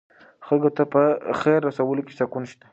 خلکو ته په خیر رسولو کې سکون شته.